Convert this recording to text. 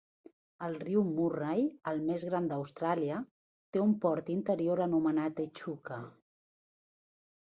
El riu Murray, el més gran d'Austràlia, té un port interior anomenat Echuca.